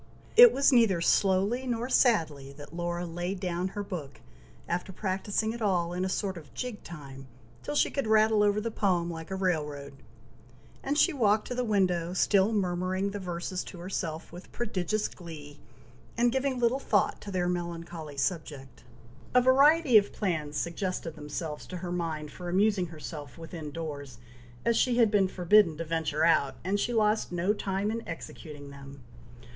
It was neither "slowly nor sadly" that Laura "laid down" her book, after practising it all, in a sort of jig time, till she could rattle over the poem like a rail road, and she walked to the window, still murmuring the verses to herself with prodigious glee, and giving little thought to their melancholy subject. A variety of plans suggested themselves to her mind for amusing herself within doors, as she had been forbidden to venture out, and she lost no time in executing them.